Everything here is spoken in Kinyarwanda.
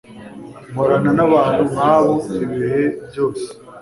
Nkorana nabantu nkabo igihe cyose